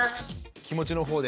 気持ちのほうで。